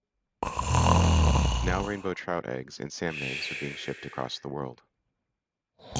Now rainbow trout eggs and salmon eggs were being shipped across the world.